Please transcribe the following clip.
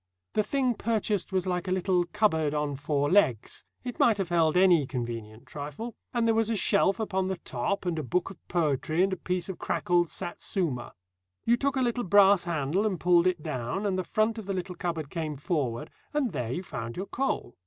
The thing purchased was like a little cupboard on four legs; it might have held any convenient trifle; and there was a shelf upon the top and a book of poetry and a piece of crackled Satsuma. You took a little brass handle and pulled it down, and the front of the little cupboard came forward, and there you found your coal.